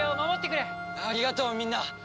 ありがとうみんな！